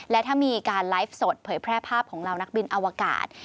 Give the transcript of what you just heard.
และถ้ามีการไลฟ์สดเผยแพร่ภาพของเหล่านักบินอวกาศ